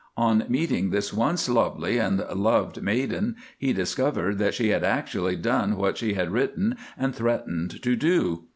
On meeting this once lovely and loved maiden, he discovered that she had actually done what she had written and threatened to do.